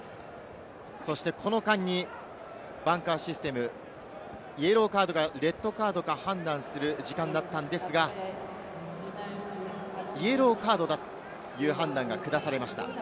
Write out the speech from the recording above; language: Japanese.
この間にバンカーシステム、イエローカードか、レッドカードか判断する時間だったんですが、イエローカードという判断がくだされました。